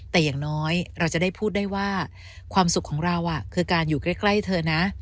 แต่อย่างน้อยเราจะได้พูดได้ว่าความสุขของเราคือการอยู่ใกล้เธอนะ